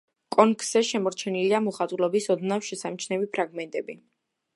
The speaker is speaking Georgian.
კონქზე შემორჩენილია მოხატულობის ოდნავ შესამჩნევი ფრაგმენტები.